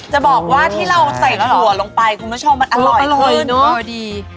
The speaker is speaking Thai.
จะบอกว่าที่เราใส่ถั่วลงไปคุณผู้ชมมันอร่อยขึ้นพอดี